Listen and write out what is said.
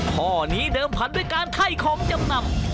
ข้อนี้เดิมพันด้วยการไถ่ของจำนำ